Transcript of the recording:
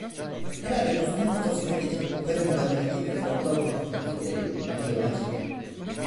Herhalde dostumun kafasından geçen opera muganniliği ve fraklı Avrupa konserleri, ona yabancı idi.